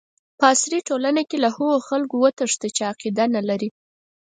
په عصري ټولنه کې له هغو خلکو وتښته چې عقیده نه لري.